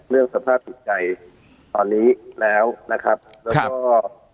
เรื่องสภาพติดใจตอนนี้แล้วนะครับแล้วก็